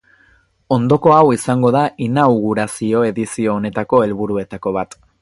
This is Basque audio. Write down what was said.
Ondoko hau izango da inaugurazio-edizio honetako helburuetako bat.